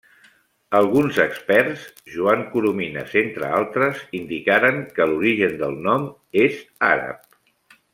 Alguns experts, Joan Coromines entre altres, indicaren que l’origen del nom és àrab.